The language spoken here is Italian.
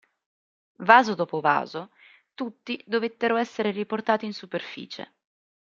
Vaso dopo vaso, tutti dovettero essere riportati in superficie.